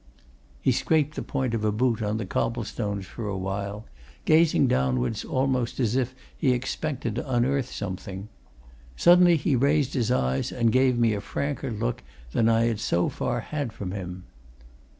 He scraped the point of a boot on the cobble stones for awhile, gazing downwards almost as if he expected to unearth something; suddenly he raised his eyes and gave me a franker look than I had so far had from him.